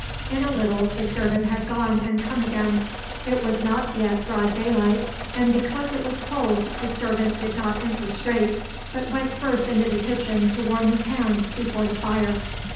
In a little the servant had gone and come again. It was not yet broad daylight, and because it was cold the servant did not enter straight, but went first into the kitchen to warm his hands before the fire.